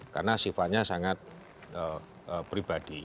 karena sifatnya sangat pribadi